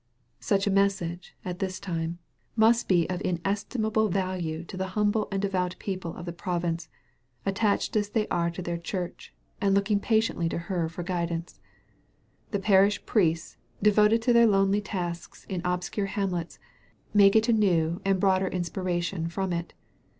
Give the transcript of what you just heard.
Such a message, at this time, must be of inesti mable value to the humble and devout people of the province, attached as they are to their church, and 178 SKETCHES OF QUEBEC looking patiently to her for guidance. The parish priests, devoted to their lonely tasks in obscure hamlets, may get a new and broader inspiration from it.